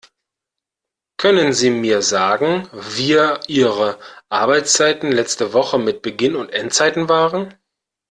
Können sie mir sagen, wir ihre Arbeitszeiten letzte Woche mit Beginn und Endzeiten waren?